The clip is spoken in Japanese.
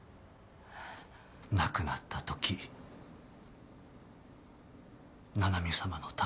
亡くなったとき七海さまのためにも。